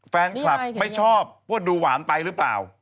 แฟนคลับไม่ชอบว่าดูหวานไปหรือเปล่า